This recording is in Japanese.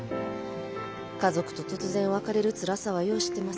家族と突然別れるつらさはよう知ってます。